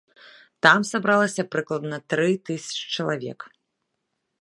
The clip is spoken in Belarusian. Там сабралася прыкладна тры тысячы чалавек.